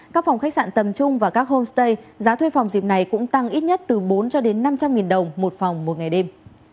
các phòng khách sạn tầm trung và các homestay giá thuê phòng dịp này cũng tăng ít nhất từ bốn cho đến năm trăm linh đồng một phòng một ngày đêm